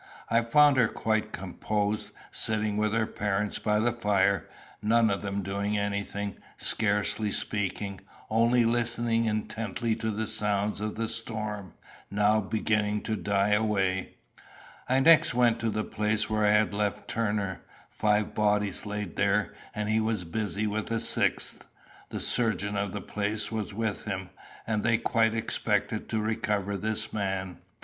I found her quite composed, sitting with her parents by the fire, none of them doing anything, scarcely speaking, only listening intently to the sounds of the storm now beginning to die away. I next went to the place where I had left Turner. Five bodies lay there, and he was busy with a sixth. The surgeon of the place was with him, and they quite expected to recover this man.